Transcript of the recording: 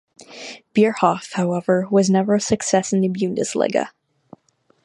Bierhoff, however, was never a success in the Bundesliga.